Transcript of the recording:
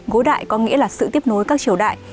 gối đại có nghĩa là sự tiếp nối các triều đại